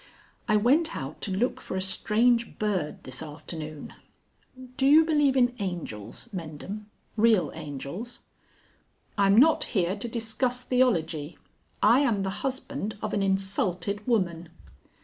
"I went out to look for a strange bird this afternoon.... Do you believe in angels, Mendham, real angels?" "I'm not here to discuss theology. I am the husband of an insulted woman."